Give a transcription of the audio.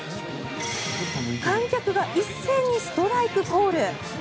観客が一斉にストライクコール。